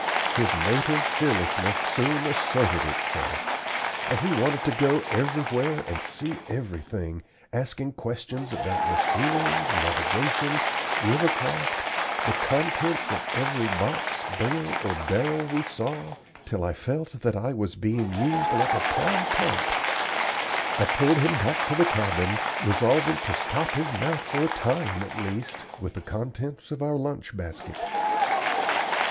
His native fearlessness soon asserted itself, and he wanted to go everywhere and see everything, asking questions about machinery, navigation, river craft, the contents of every box, bale, or barrel we saw, till I felt that I was being used like a town pump. I pulled him back to the cabin, resolving to stop his mouth for a time at least with the contents of our lunch basket.